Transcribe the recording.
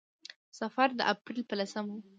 سفر د اپرېل په لسمه و.